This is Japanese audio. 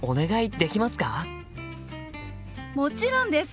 もちろんです！